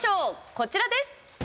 こちらです。